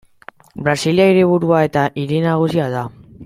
Brasilia hiriburua eta hiri nagusia da.